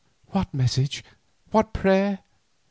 "What message and what prayer?"